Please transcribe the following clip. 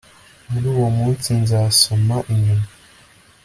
Muri uwo munsi nzasoma inyuma